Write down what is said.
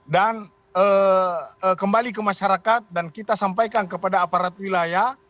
dan kembali ke masyarakat dan kita sampaikan kepada aparat wilayah